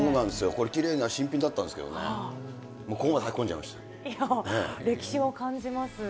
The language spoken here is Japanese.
これ、きれいな新品だったんですけどね、歴史を感じます。